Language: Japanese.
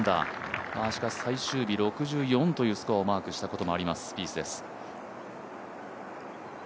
しかし最終日、６４というスコアをマークしたこともあります、スピースです。